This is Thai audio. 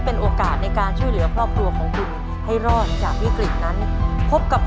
ขอบคุณครับ